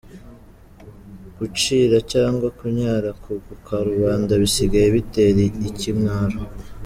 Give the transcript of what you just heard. Gucira cyangwa kunyara ku karubanda bisigaye bitera ikimwaro.